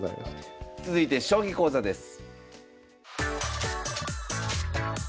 続いて将棋講座です。